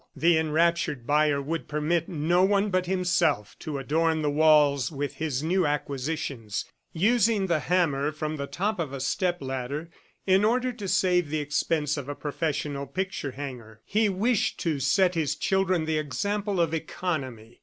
The enraptured buyer would permit no one but himself to adorn the walls with his new acquisitions, using the hammer from the top of a step ladder in order to save the expense of a professional picture hanger. He wished to set his children the example of economy.